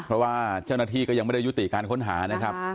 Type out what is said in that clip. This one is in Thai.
เพราะว่าเจ้าหน้าที่ก็ยังไม่ได้ยุติการค้นหานะครับ